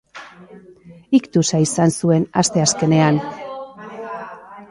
Iktusa izan zuen asteazkenean.